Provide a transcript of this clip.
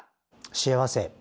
幸せ。